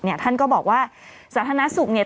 เนี่ยท่านก็บอกว่าสาธานาศุกร์เนี่ย